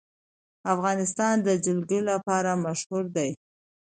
افغانستان د جلګه لپاره مشهور دی.